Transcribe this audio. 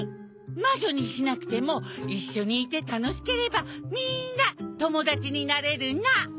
魔女にしなくても一緒にいて楽しければみんな友達になれるの！